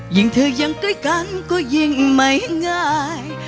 ยิ่งเธอยังใกล้กันก็ยิ่งไม่ง่าย